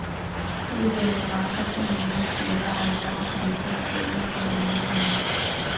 hivyo ni wakati muhimu kutumia wazawa kuandika historia hiyo muhimu kwa nchi